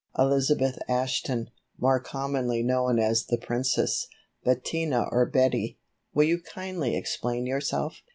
"Elizabeth Ashton, more commonly known as 'The Princess,' Bettina or Betty, will you kindly explain yourself?